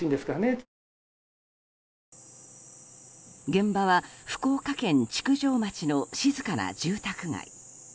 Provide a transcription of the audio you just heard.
現場は福岡県築上町の静かな住宅街。